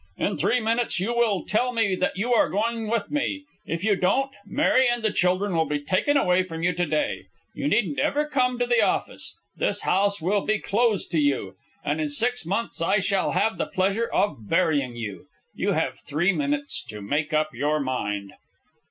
"In three minutes you will tell me that you are going with me. If you don't, Mary and the children will be taken away from you to day. You needn't ever come to the office. This house will be closed to you. And in six months I shall have the pleasure of burying you. You have three minutes to make up your mind."